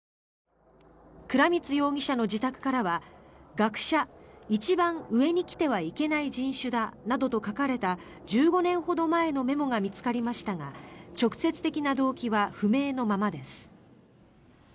倉光容疑者の自宅からは学者、一番上に来てはいけない人種だなどと書かれた１５年ほど前のメモが見つかりましたが直接的な動機は不明のままです。